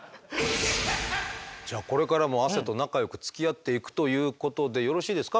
じゃあこれからも汗と仲よくつきあっていくということでよろしいですか？